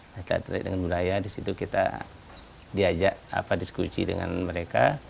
kita terkait dengan budaya di situ kita diajak diskusi dengan mereka